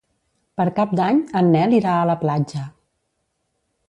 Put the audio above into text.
Per Cap d'Any en Nel irà a la platja.